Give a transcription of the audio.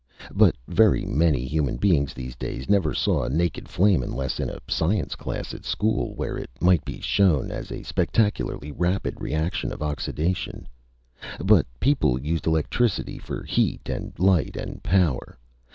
But very many human beings, these days, never saw a naked flame unless in a science class at school, where it might be shown as a spectacularly rapid reaction of oxidation. But people used electricity for heat and light and power.